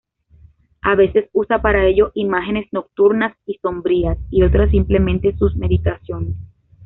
A veces usa para ello imágenes nocturnas y sombrías y otras simplemente sus meditaciones.